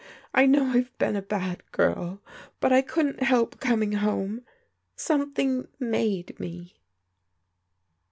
I know I've been a bad girl, but I couldn't help coming home ; something made me."